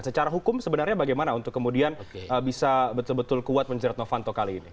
secara hukum sebenarnya bagaimana untuk kemudian bisa betul betul kuat menjerat novanto kali ini